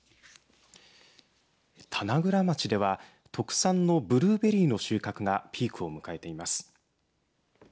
棚倉町では特産のブルーベリーの収穫がピークを迎えています。